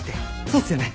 そうっすよね？